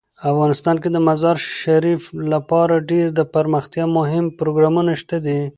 افغانستان کې د مزارشریف لپاره ډیر دپرمختیا مهم پروګرامونه شته دي.